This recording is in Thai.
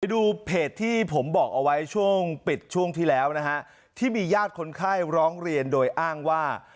ดูเพจที่ผมบอกเอาไว้ช่วงปิดช่วงที่แล้วนะฮะที่มีญาติคนไข้ร้องเรียนโดยอ้างว่า